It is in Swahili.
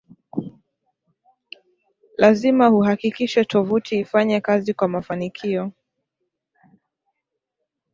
lazima uhakikishe tovuti ifanye kazi kwa mafanikio